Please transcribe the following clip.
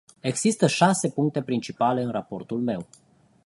Există șase puncte principale în raportul meu.